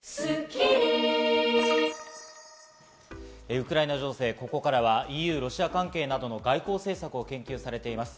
ウクライナ情勢、ここからはＥＵ、ロシア関係などの外交政策を研究されています